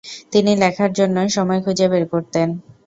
তিনি লেখার জন্য সময় খুঁজে বের করতেন।